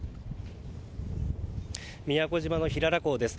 宮古島の平良港です。